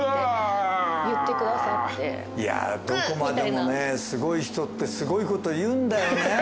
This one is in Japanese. いやどこまでもすごい人ってすごいこと言うんだよね。